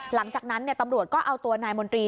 หลังจากนั้นตำรวจก็เอาตัวนายมนตรี